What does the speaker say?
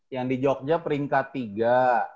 yang di jogja peringkat tiga